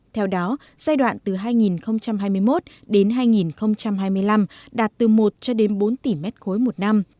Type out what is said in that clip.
theo đó giai đoạn từ hai nghìn hai mươi một đến hai nghìn hai mươi năm đạt từ một cho đến bốn tỷ m ba một năm